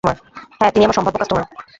হ্যাঁ, তিনি আমার সম্ভাব্য কাস্টমার।